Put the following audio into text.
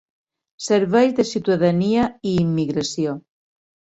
Serveis de ciutadania i immigració.